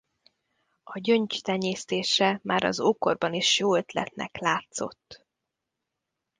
A gyöngy tenyésztése már az ókorban is jó ötletnek látszott.